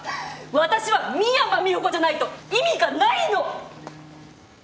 私は深山美保子じゃないと意味がないの！